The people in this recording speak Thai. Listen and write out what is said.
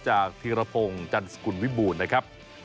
จากธิรพงษ์จันทร์สกุลวิบูรณ์นะครับ